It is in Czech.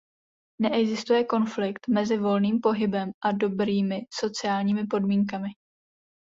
Neexistuje konflikt mezi volným pohybem a dobrými sociálními podmínkami.